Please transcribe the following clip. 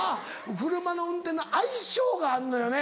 車の運転の相性があんのよね。